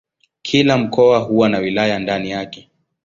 Kila mkoa huwa na wilaya ndani yake.